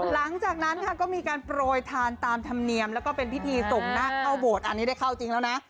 หลังจากนั้นค่ะก็มีการโปรยทานตามธรรมเนียมแล้วก็เป็นพิธีส่งนักเข้าโบสถ์อันนี้ได้เข้าจริงแล้วนะ